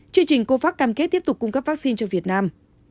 chương trình covax cam kết tiếp tục cung cấp vaccine cho việt nam